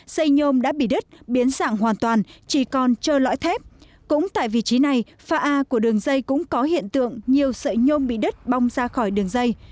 xây nhôm đã bị đứt biến dạng hoàn toàn chỉ còn trơ lõi thép cũng tại vị trí này pha a của đường dây cũng có hiện tượng nhiều sợi nhôm bị đứt bong ra khỏi đường dây